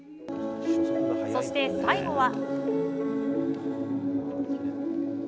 そして、最後は。